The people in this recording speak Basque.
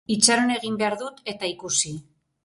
Itxaron egin behar dut, eta ikusi.